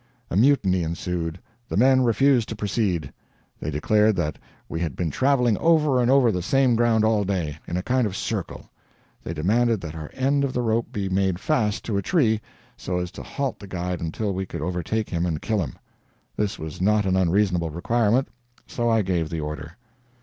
A mutiny ensued. The men refused to proceed. They declared that we had been traveling over and over the same ground all day, in a kind of circle. They demanded that our end of the rope be made fast to a tree, so as to halt the guide until we could overtake him and kill him. This was not an unreasonable requirement, so I gave the order.